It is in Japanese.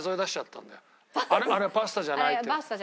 あれパスタじゃないって。